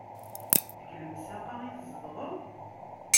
Deg lemsaq-a i tzedɣeḍ?